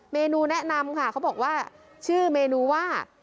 เมนูแนะนำค่ะเขาบอกว่าชื่อเมนูว่า